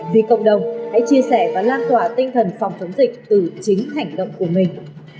vì cộng đồng hãy chia sẻ và lan tỏa tinh thần phòng chống dịch từ chính hành động của mình